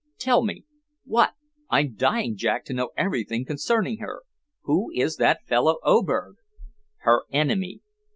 "Tell me. What? I'm dying, Jack, to know everything concerning her. Who is that fellow Oberg?" "Her enemy.